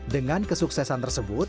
dengan kesuksesan tersebut